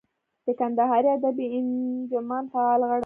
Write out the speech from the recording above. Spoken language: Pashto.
د کندهاري ادبي انجمن فعال غړی.